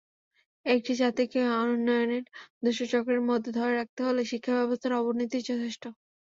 একটি জাতিকে অনুন্নয়নের দুষ্টচক্রের মধ্যে ধরে রাখতে হলে শিক্ষাব্যবস্থার অবনতিই যথেষ্ট।